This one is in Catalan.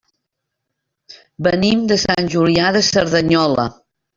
Venim de Sant Julià de Cerdanyola.